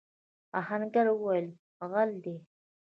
آهنګر وويل: غله دي!